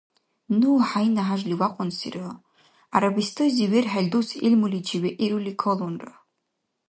Ну хӀяйна хӀяжли вякьунсира, ГӀярабистайзив верхӀел дус гӀилмуличи вегӀирули калунра.